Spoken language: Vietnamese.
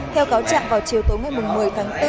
theo cáo trạng vào chiều tối ngày một mươi tháng bốn